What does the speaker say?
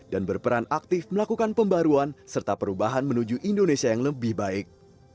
dan berperan aktif melakukan pembaruan serta perubahan menuju indonesia yang lebih baik